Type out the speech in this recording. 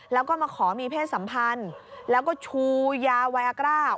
แล้วก็มาขอมีเพศสัมพันธ์แล้วก็ชูยาวัยอากาศ